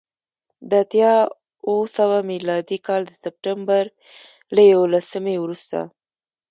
د اتیا اوه سوه میلادي کال د سپټمبر له یوولسمې وروسته